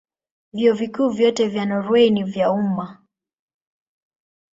Vyuo Vikuu vyote vya Norwei ni vya umma.